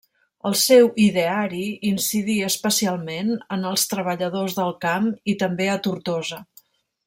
El seu ideari incidí especialment en els treballadors del camp i també a Tortosa.